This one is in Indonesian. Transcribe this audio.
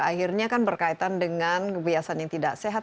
akhirnya kan berkaitan dengan kebiasaan yang tidak sehat